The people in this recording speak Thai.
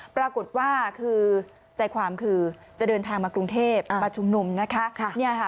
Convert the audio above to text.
ปรากฏว่าคือใจความคือจะเดินทางมากรุงเทพมาชุมนุมนะคะ